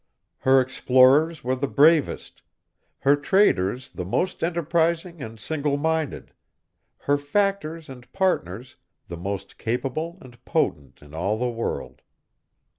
Her explorers were the bravest, her traders the most enterprising and single minded, her factors and partners the most capable and potent in all the world.